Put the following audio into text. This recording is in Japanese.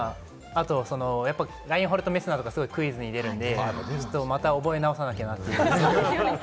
あとラインホルト・メスナーがクイズに出るので、また覚えなおさなきゃなって。